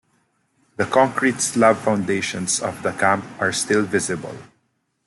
The concrete slab foundations of the camp are still visible.